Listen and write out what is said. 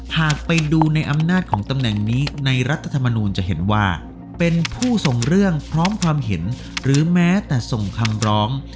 หากไปดูในอำนาจของตำแหน่งนี้ในรัฐธรรมนูลจะเห็นว่าเป็นผู้ส่งเรื่องพร้อมความเห็นหรือแม้แต่ส่งคำร้อง